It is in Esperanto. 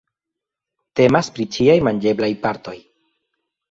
Temas pri ĉiaj manĝeblaj partoj.